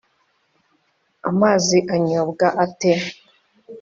amazi anyobwa ate